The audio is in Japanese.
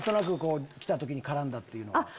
来た時に絡んだっていうのは。